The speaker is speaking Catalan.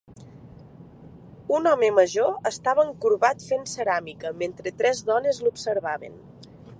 Un home major estava encorbat fent ceràmica mentre tres dones l'observaven.